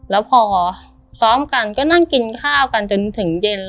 แล้วพอซ้อมกันก็นั่งกินข้าวกันจนถึงเย็น